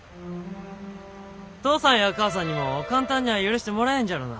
父さんや母さんにも簡単にゃあ許してもらえんじゃろうな。